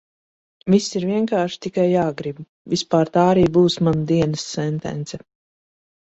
Viss ir vienkārši, tikai jāgrib. Vispār tā arī būs mana dienas sentence.